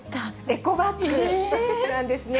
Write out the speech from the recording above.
エコバッグなんですね。